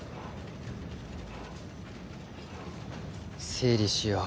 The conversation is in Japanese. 整理しよう。